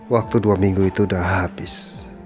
waktu dua minggu itu sudah habis